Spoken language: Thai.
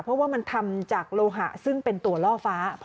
เพราะว่ามันทำจากโลหะซึ่งเป็นตัวล่อฟ้า